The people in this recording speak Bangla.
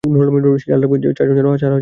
খেয়াল রাখবে চারজন যেন চার হাজার না হয়ে যায়।